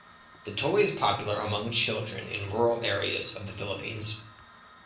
The toy is popular among children in rural areas of the Philippines.